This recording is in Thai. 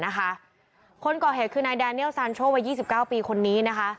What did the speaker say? คนก่อเหตุคือนายแดเนียลซานโชควัย๒๙ปีคนนี้นะคะ